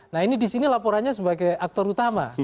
nah ini di sini laporannya sebagai aktor utama